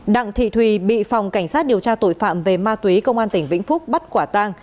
đặng thị thùy bị phòng cảnh sát điều tra tội phạm về ma túy công an tỉnh vĩnh phúc bắt quả tang